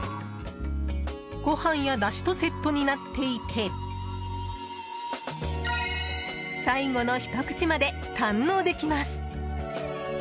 ご飯や、だしとセットになっていて最後のひと口まで堪能できます。